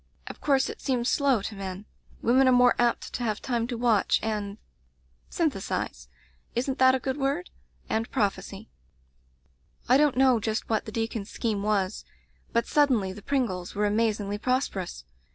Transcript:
Of course it seems slow to men. Women arc more apt to have time to watch and — syn thesize — isn't that a good word? — ^and prophesy. "I don't know just what the deacon's scheme was, but suddenly the Pringles were amazingly prosperous.